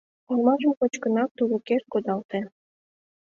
Олмажым кочкынак, тулыкеш кодалте.